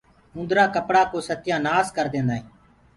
اُندرآ ڪپڙآ ڪو ستيآ نآس ڪرديندآ هينٚ۔